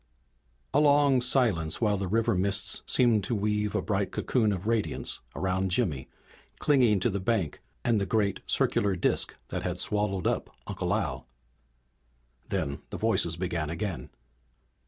A long silence while the river mists seemed to weave a bright cocoon of radiance about Jimmy clinging to the bank, and the great circular disk that had swallowed up Uncle Al. Then the voices began again.